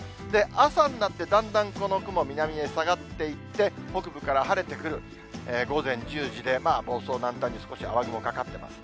朝になってだんだんこの雲は南へ下がっていって、北部から晴れてくる、午前１０時でまあ、房総半島に少し雨雲かかってます。